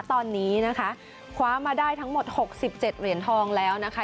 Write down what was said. ตอนนี้นะคะคว้ามาได้ทั้งหมด๖๗เหรียญทองแล้วนะคะ